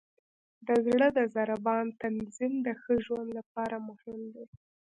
د زړه د ضربان تنظیم د ښه ژوند لپاره مهم دی.